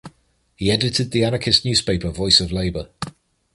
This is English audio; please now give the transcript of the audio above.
He edited the anarchist newspaper Voice of Labor.